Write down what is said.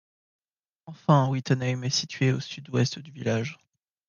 Enfin, Wittenheim est située au sud-ouest du village.